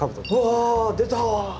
わあ出た！